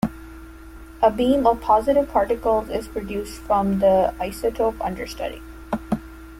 A beam of positive particles is produced from the isotope under study.